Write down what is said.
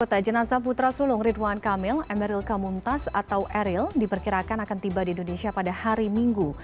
kota jenazah putra sulung ridwan kamil emeril kamuntas atau eril diperkirakan akan tiba di indonesia pada hari minggu